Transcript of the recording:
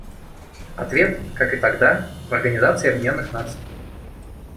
Ответ, как и тогда, — в Организации Объединенных Наций.